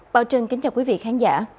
bảo trân kính chào quý vị khán giả